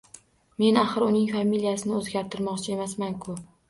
Men axir uning familiyasini oʻzgartirmoqchi emasman-ku!